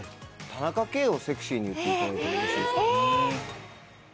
「田中圭」をセクシーに言っていただいてもよろしいですか？